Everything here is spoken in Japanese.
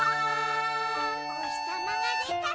「おひさまがでたら」